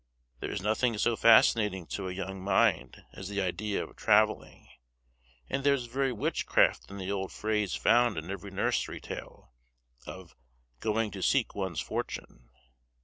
There is nothing so fascinating to a young mind as the idea of travelling; and there is very witchcraft in the old phrase found in every nursery tale, of "going to seek one's fortune."